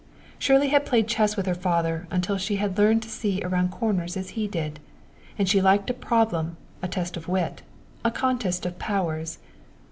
Shirley had played chess with her father until she had learned to see around corners as he did, and she liked a problem, a test of wit, a contest of powers.